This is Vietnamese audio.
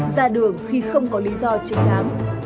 ra đường khi không có lý do chiến thắng